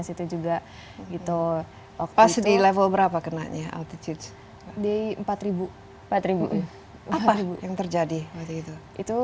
sesaat lagi dalam insight